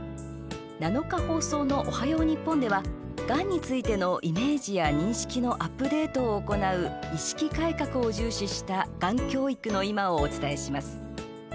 ７日放送の「おはよう日本」ではがんについてのイメージや認識のアップデートを行う意識改革を重視したがん教育の今をお伝えします。